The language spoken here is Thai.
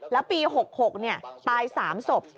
แล้วปี๖๖เนี่ยตาย๓ศพ